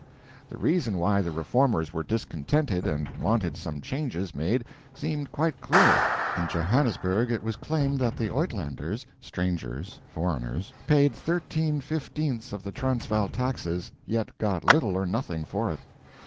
The reason why the Reformers were discontented and wanted some changes made, seemed quite clear. In Johannesburg it was claimed that the Uitlanders (strangers, foreigners) paid thirteen fifteenths of the Transvaal taxes, yet got little or nothing for it.